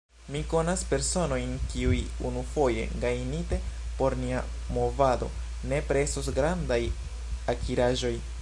Mi konas personojn, kiuj, unufoje gajnite por nia movado, nepre estos grandaj akiraĵoj.